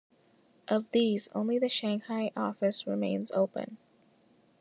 Of these, only the Shanghai office remains open.